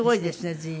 随分。